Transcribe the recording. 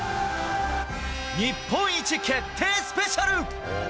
日本一決定スペシャル。